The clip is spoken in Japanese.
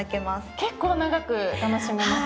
結構長く楽しめますね。